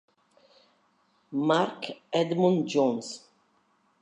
Marc Edmund Jones